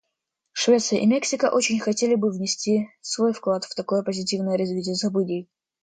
Швеция и Мексика очень хотели бы внести свой вклад в такое позитивное развитие событий.